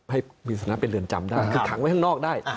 ให้มีสถานะเป็นเรือนจำได้คือขังไว้ข้างนอกได้